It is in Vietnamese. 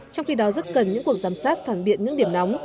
trong khi đó rất cần những cuộc giám sát phản biện những điểm nóng